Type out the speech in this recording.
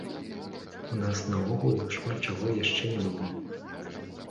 У нас наогул шмат чаго яшчэ не было.